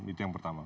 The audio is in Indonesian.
itu yang pertama